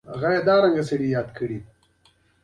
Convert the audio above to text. د زړه لومړی غږ او دویم غږ په څه ډول تولیدیږي؟